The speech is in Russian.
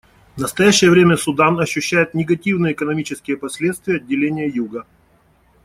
В настоящее время Судан ощущает негативные экономические последствия отделения Юга.